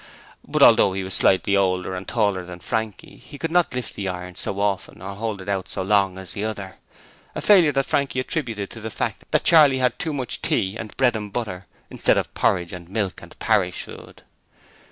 But although he was slightly older and taller than Frankie he could not lift the iron so often or hold it out so long as the other, a failure that Frankie attributed to the fact that Charley had too much tea and bread and butter instead of porridge and milk and Parrish's Food.